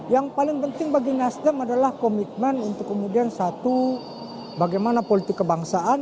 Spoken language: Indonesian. yang paling penting bagi nasdem adalah komitmen untuk kemudian satu bagaimana politik kebangsaan